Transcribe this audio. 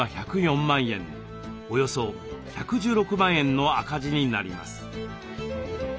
およそ１１６万円の赤字になります。